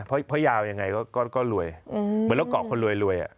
เพราะยาวยังไงก็รวยเหมือนเราเกาะคนรวย